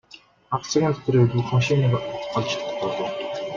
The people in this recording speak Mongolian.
Хагас цагийн дотор бид бүх машиныг олж тогтоолоо.